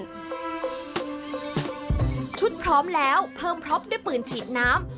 พร้อมแล้วเพิ่มพร้อมด้วยปืนฉีดน้ำ